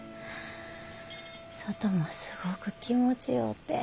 外もすごく気持ちようて。